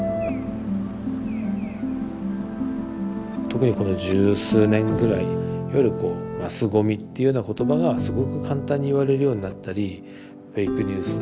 特にこの十数年ぐらいいわゆる「マスゴミ」っていうような言葉がすごく簡単に言われるようになったりフェイクニュース